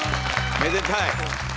めでたい。